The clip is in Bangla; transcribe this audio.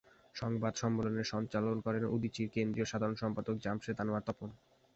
সংবাদ সম্মেলন সঞ্চালনা করেন উদীচীর কেন্দ্রীয় সাধারণ সম্পাদক জামশেদ আনোয়ার তপন।